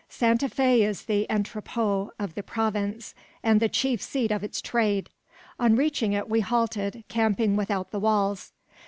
Santa Fe is the entrepot of the province, and the chief seat of its trade. On reaching it we halted, camping without the walls.